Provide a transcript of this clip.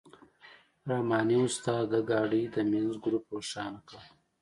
رحماني استاد د ګاډۍ د منځ ګروپ روښانه کړ.